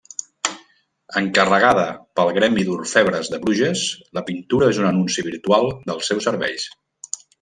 Encarregada pel gremi d'orfebres de Bruges, la pintura és un anunci virtual dels seus serveis.